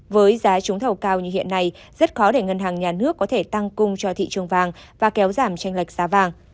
với giá trúng thầu cao như hiện nay rất khó để ngân hàng nhà nước có thể tăng cung cho thị trường vàng và kéo giảm tranh lệch giá vàng